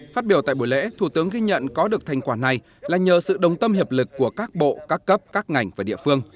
phát biểu tại buổi lễ thủ tướng ghi nhận có được thành quả này là nhờ sự đồng tâm hiệp lực của các bộ các cấp các ngành và địa phương